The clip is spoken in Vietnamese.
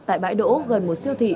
tại bãi đỗ gần một siêu thị